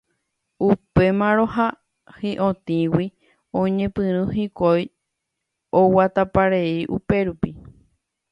Upémarõ ha hi'otĩgui oñepyrũ hikuái oguataparei upérupi.